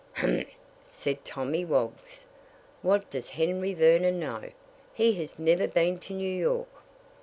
"Humph!" said Tommy Woggs. "What does Henry Vernon know? He has never been to New York."